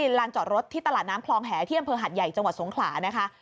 ลานจอดรถที่ตลาดน้ำคลองแหที่อำเภอหัดใหญ่จังหวัดสงขลานะคะ